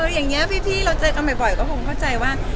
หรือว่าพี่เราเจอกันใหม่ก็ผมเข้าใจว่า